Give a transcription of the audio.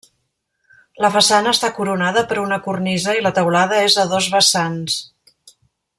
La façana està coronada per una cornisa i la teulada és a dos vessants.